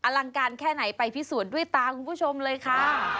ลังการแค่ไหนไปพิสูจน์ด้วยตาคุณผู้ชมเลยค่ะ